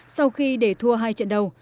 sau khi để thua hai trận đầu